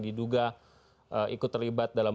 diduga ikut terlibat dalam